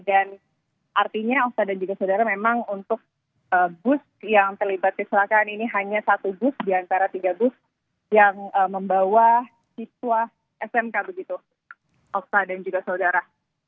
dan artinya okta dan juga saudara memang untuk booth yang terlibat kesilakan ini hanya satu booth di antara tiga booth yang membawa siswa smk begitu okta dan juga saudara